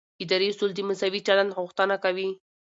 اداري اصول د مساوي چلند غوښتنه کوي.